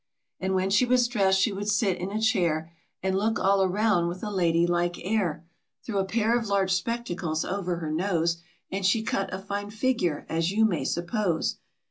And when she was dressed she would sit in a chair, And look all around with a ladylike air, Through a pair of large spectacles over her nose, And she cut a fine figure, as you may suppose.